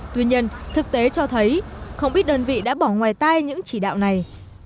tuy nhiên thực tế cho thấy không biết đơn vị đã bỏ ngoài tay những chỉ đạo này